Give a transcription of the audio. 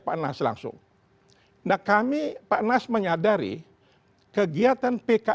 former activities secara diri kita ya